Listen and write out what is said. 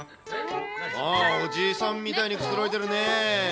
おじいさんみたいにくつろいでるねー。